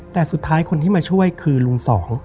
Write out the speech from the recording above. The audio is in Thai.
แต่สุดท้ายคนที่มาช่วยคือลุงสอง